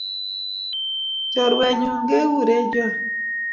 Chorwenyun kekure Joan.